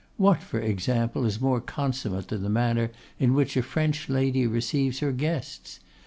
What, for example, is more consummate than the manner in which a French lady receives her guests!